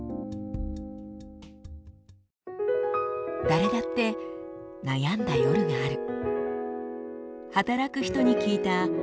誰だって悩んだ夜がある。